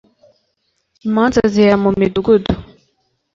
imanza zihera mu midugudu,